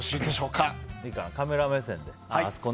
カメラ目線で。